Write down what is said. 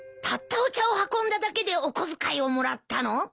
たったお茶を運んだだけでお小遣いをもらったの？